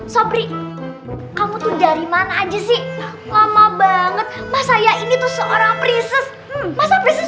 sobri kamu tuh dari mana aja sih lama banget mas saya ini tuh seorang prinses